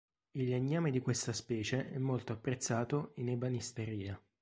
Il legname di questa specie è molto apprezzato in ebanisteria.